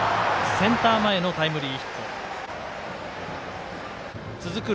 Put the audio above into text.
センター前のタイムリー。